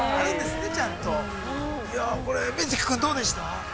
いや、これ、瑞稀君、どうでした？